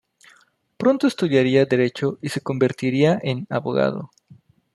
Pronto estudiaría derecho y se convertiría en abogado.